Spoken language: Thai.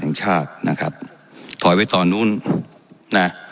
แห่งชาตินะครับถอยไว้ตอนนู้นนะ